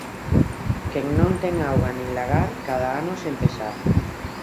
Quen non ten auga nin lagar, cada ano sen pesar